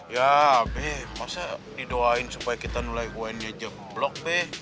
ya be masa didoain supaya kita nulai un nya jeblok be